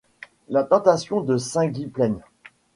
La tentation de saint Gwynplaine